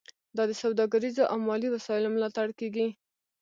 دا د سوداګریزو او مالي وسایلو ملاتړ کیږي